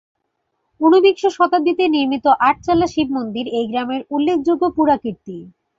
ঊনবিংশ শতাব্দীতে নির্মিত আটচালা শিবমন্দির এই গ্রামের উল্লেখযোগ্য পুরাকীর্তি।